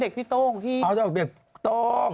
คือดังเด็กพี่โต่ง